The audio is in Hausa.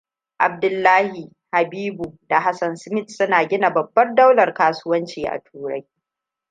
Abdullahi Habibuson da Hassan Smith suna gina babbar daular kasuwanci a Turai.